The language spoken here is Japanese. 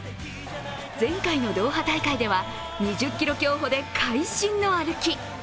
前回のドーハ大会では２０ｋｍ競歩で会心の歩き。